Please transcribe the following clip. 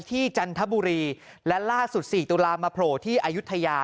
จันทบุรีและล่าสุด๔ตุลามาโผล่ที่อายุทยา